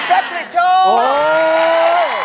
คุณเซฟฟริชโชว์